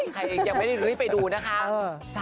ใครอีกยังไม่ได้รีบรีบไปดูนะคะ